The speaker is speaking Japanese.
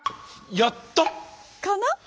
やった？かな？